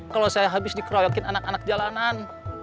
kalau saya habis dikeroyokin anak anak jalanan